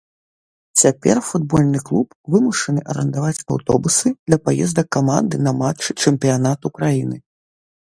Цяпер футбольны клуб вымушаны арандаваць аўтобусы для паездак каманды на матчы чэмпіянату краіны.